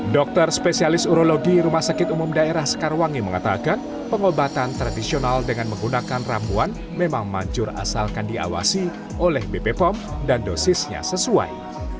dokter spesialis urologi rumah sakit umum daerah sekarwangi mengatakan pengobatan tradisional dengan menggunakan ramuan memang manjur asalkan diawasi oleh bp pom dan dosisnya sesuai